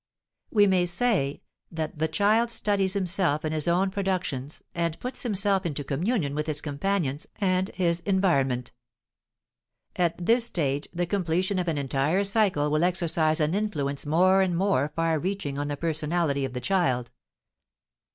We may say that the child studies himself in his own productions and puts himself into communion with his companions and his environment. At this stage the completion of an entire cycle will exercise an influence more and more far reaching on the personality of the child.